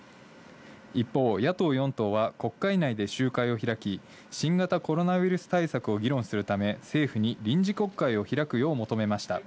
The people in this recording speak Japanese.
一方、野党４党は国会内で集会を開き、新型コロナウイルス対策を議論するため、政府に臨時国会を開くよう求めました。